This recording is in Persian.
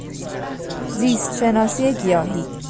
زیست شناسی گیاهی